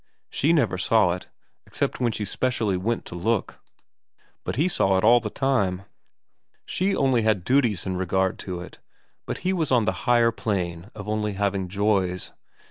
She never saw it, except when she specially went to look, but he saw it all the time ; she only had duties in regard to it, but he was on the higher plane of only having joys.